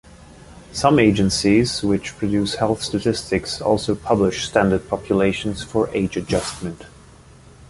Some agencies which produce health statistics also publish standard populations for age adjustment.